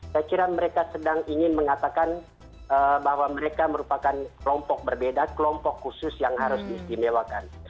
saya kira mereka sedang ingin mengatakan bahwa mereka merupakan kelompok berbeda kelompok khusus yang harus diistimewakan